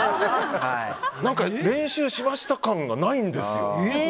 何か練習しました感がないんですよ。